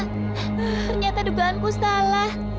ternyata dugaanku salah